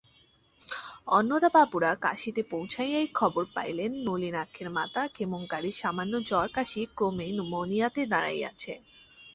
অন্নদাবাবুরা কাশীতে পৌঁছিয়াই খবর পাইলেন, নলিনাক্ষের মাতা ক্ষেমংকরীর সামান্য জ্বরকাসি ক্রমে ন্যুমোনিয়াতে দাঁড়াইয়াছে।